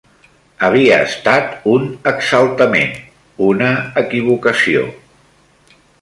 Havia estat un exaltament, una equivocació